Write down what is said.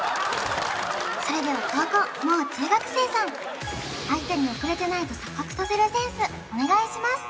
それでは後攻もう中学生さん相手に遅れてないと錯覚させるセンスお願いします！